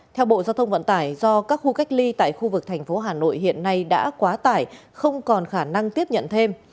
theo bộ giao thông vận tải do các khu cách ly tại khu vực thành phố hà nội hiện nay đã quá tải không còn khả năng tiếp nhận thêm